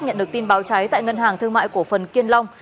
nhận được tin báo cháy tại ngân hàng thương mại cổ phần kiên long